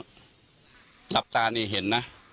ผมมันมีสิ่งที่แล้วนี่เห็นนะ